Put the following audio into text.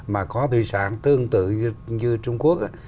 mà có thủy sản tương tự như trung quốc